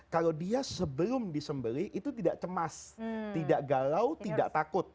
kalau dia sebelum disembeli itu tidak cemas tidak galau tidak takut